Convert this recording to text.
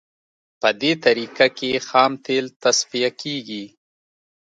په دې طریقه کې خام تیل تصفیه کیږي